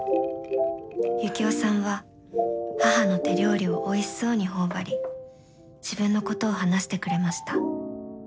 ユキオさんは母の手料理をおいしそうに頬張り自分のことを話してくれました。